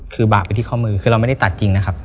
คือบาปไปที่ข้อมือคือเราไม่ได้ตัดจริงนะครับ